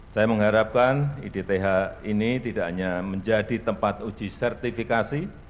saya mengharapkan idth ini tidak hanya menjadi tempat uji sertifikasi